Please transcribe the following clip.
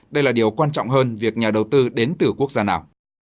đây là điều quan trọng hơn việc nhà đầu tư đến từ quốc gia nào